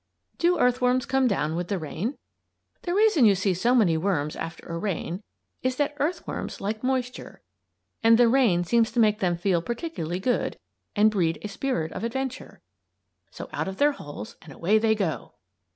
DO EARTHWORMS COME DOWN WITH THE RAIN? The reason you see so many worms after a rain is that earthworms like moisture, and the rain seems to make them feel particularly good and breed a spirit of adventure. So out of their holes and away they go!